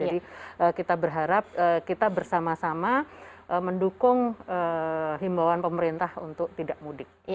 jadi kita berharap kita bersama sama mendukung himbawan pemerintah untuk tidak mudik